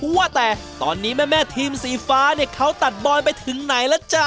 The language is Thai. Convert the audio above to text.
ว่าแต่ตอนนี้แม่ทีมสีฟ้าเนี่ยเขาตัดบอยไปถึงไหนล่ะจ๊ะ